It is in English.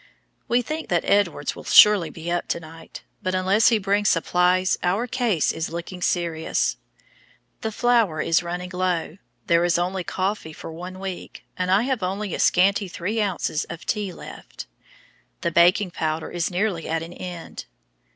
We think that Edwards will surely be up to night, but unless he brings supplies our case is looking serious. The flour is running low, there is only coffee for one week, and I have only a scanty three ounces of tea left. The baking powder is nearly at an end.